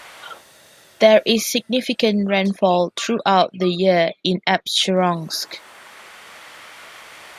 There is significant rainfall throughout the year in Apsheronsk.